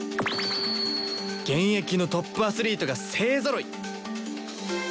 現役のトップアスリートが勢ぞろい！